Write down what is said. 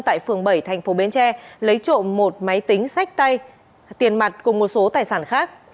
tại phường bảy thành phố bến tre lấy trộm một máy tính sách tay tiền mặt cùng một số tài sản khác